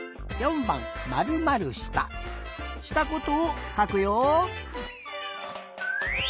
「したこと」をかくよ。